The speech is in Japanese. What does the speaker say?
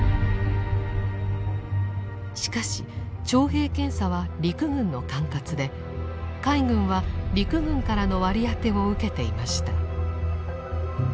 しかし徴兵検査は陸軍の管轄で海軍は陸軍からの割り当てを受けていました。